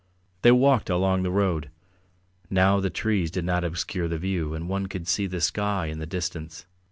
They walked along the road. Now the trees did not obscure the view, and one could see the sky and the distance.